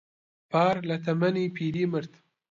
پار لە تەمەنی پیری مرد.